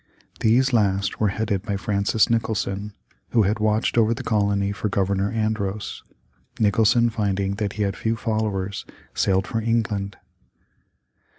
These last were headed by Francis Nicholson, who had watched over the colony for Governor Andros. Nicholson finding that he had few followers, sailed for England.